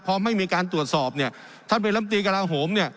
พอไม่มีการตรวจสอบเนี่ยท่านเป็นลำตีกระลาโหมเนี่ย